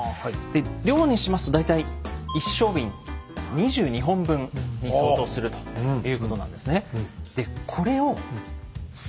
で量にしますと大体１升瓶２２本分に相当するということなんですね。